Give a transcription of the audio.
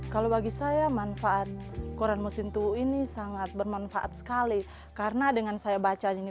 kalau bagi saya manfaat koran mesintuu ini sangat bermanfaat sekali karena dengan saya baca ini